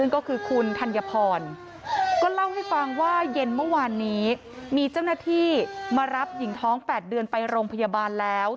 ก็คือคุณธัญพรก็เล่าให้ฟังว่าเย็นเมื่อวานนี้มีเจ้าหน้าที่มารับหญิงท้อง๘เดือนไปโรงพยาบาลแล้ว